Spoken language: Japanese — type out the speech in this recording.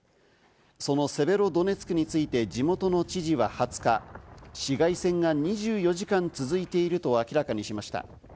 そのセベロドネツクについて地元の知事は２０日、市街戦が２４時間続いていると明らかにしました。